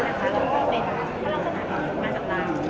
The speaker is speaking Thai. เราก็ว่าเป็นถ้าเราจะถามมาจากลาง